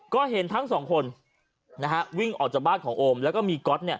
ก็เห็นทั้งสองคนวิ่งออกจากบ้านของโอมแล้วก็มีก๊อต